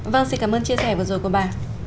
vâng xin cảm ơn chia sẻ vừa rồi của bà